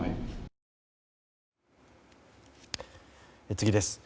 次です。